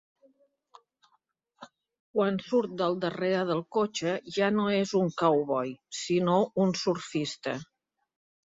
Quan surt del darrere del cotxe ja no és un cowboy sinó un surfista.